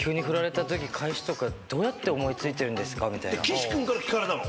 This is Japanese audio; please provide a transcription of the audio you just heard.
岸君から聞かれたの？